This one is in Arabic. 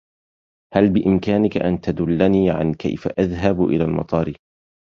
هل بإمكانك أن تدلني عن كيف أذهب إلى المطار؟